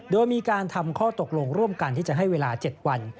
โดยมีการทำข้อตกลงร่วมกันที่จะให้เวลา๗วัน